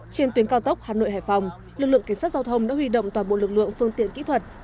trên tuyến cao tốc hà nội hải phòng lực lượng cảnh sát giao thông đã huy động toàn bộ lực lượng phương tiện kỹ thuật